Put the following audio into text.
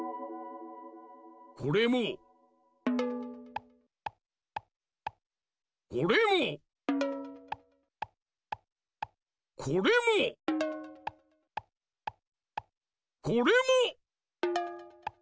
これもこれもこれもこれも！